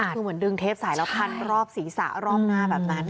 คือเหมือนดึงเทปสายแล้วพันรอบศีรษะรอบหน้าแบบนั้น